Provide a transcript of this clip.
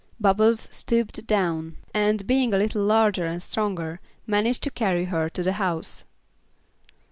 Bubbles stooped down and, being a little larger and stronger, managed to carry her to the house.